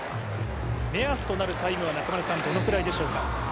目安となるタイムはどのくらいでしょうか。